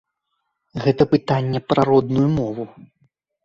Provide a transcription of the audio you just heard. Гэта пытанне пра родную мову.